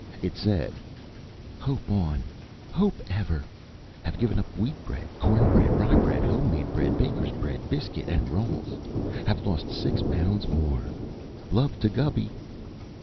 It said: Hope on, hope ever. Have given up wheat bread, corn bread, rye bread, home made bread, bakers' bread, biscuit and rolls. Have lost six pounds more. Love to Gubby.